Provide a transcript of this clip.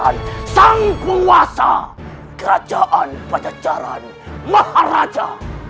sang penguasa kerajaan pajajaran maharaja